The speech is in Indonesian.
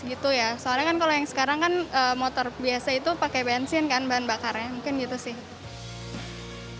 mungkin motor biasa itu pakai bensin kan bahan bakarnya mungkin gitu sih